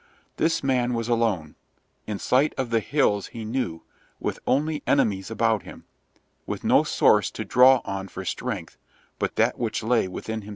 This man was alone, in sight of the hills he knew, with only enemies about him, with no source to draw on for strength but that which lay within himself.